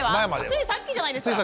ついさっきじゃないですか。